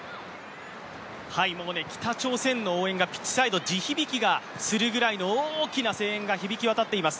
北朝鮮の応援がピッチサイド、地響きがするくらいの大きな声援が響き渡っています。